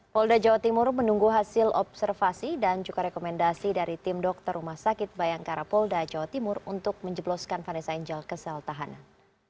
polda jawa timur menunggu hasil observasi dan juga rekomendasi dari tim dokter rumah sakit bayangkara polda jawa timur untuk menjebloskan vanessa angel ke sel tahanan